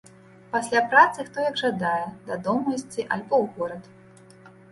Пасля працы хто як жадае, дадому ісці альбо ў горад.